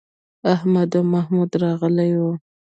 احمد او محمد راغلي وو.